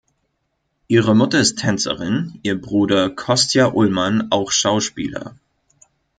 Ihre Mutter ist Tänzerin, ihr Bruder Kostja Ullmann auch Schauspieler.